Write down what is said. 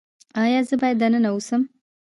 ایا زه باید دننه اوسم؟